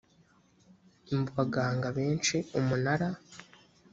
mu baganga benshi umunara